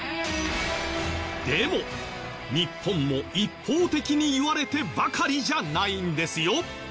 でも日本も一方的に言われてばかりじゃないんですよ。